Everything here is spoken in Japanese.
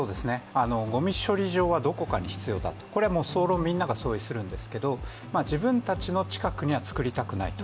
ごみ処理場はどこかに必要だとこれは総論、みんなが総意するんですけれども自分たちの近くには作りたくないと。